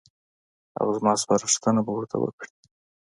او زما سپارښتنه به ورته وکړي.